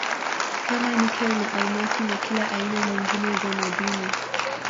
kama Nikel na almasi na kila aina nyingine za madini